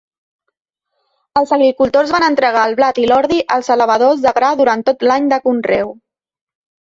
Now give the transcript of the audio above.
Els agricultors van entregar el blat i l'ordi als elevadors de gra durant tot l'any de conreu.